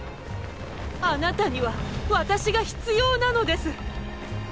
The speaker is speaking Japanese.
あなたには私が必要なのです！